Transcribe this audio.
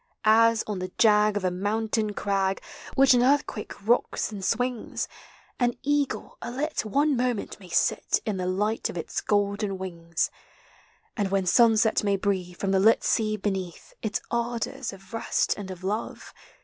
As, on the jag of a mountain crag Which an earthquake rocks and swings, An eagle, a lit, one moment may sit In the light of its golden wings; And Avhen sunset may breathe, from the lit sea beneath. Its ardors of rest and of love.